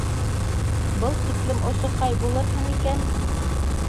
Был тиклем осоҡай булырһың икән!